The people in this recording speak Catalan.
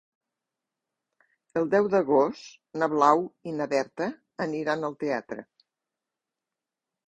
El deu d'agost na Blau i na Berta aniran al teatre.